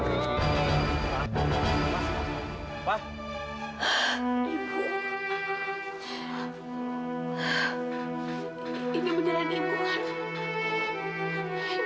ini beneran ibu kan